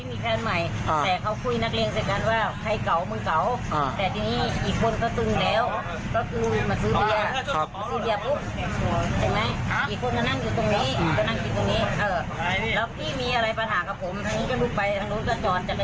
อีกคนก็ตึงแล้วก็ตู่มาซื้อเบียบ